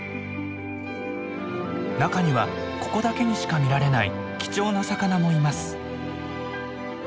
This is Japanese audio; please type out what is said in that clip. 中にはここだけにしか見られない貴重な魚もいます。